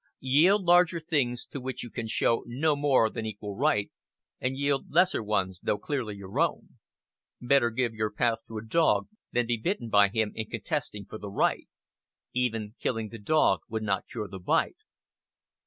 Yield larger things to which you can show no more than equal right; and yield lesser ones though clearly your own. Better give your path to a dog than be bitten by him in contesting for the right. Even killing the dog would not cure the bite."